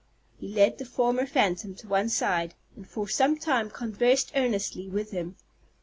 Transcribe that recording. He led the former phantom to one side, and for some time conversed earnestly with him.